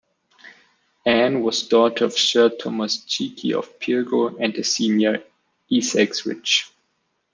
Anne was daughter of Sir Thomas Cheeke of Pirgo and a senior Essex Rich.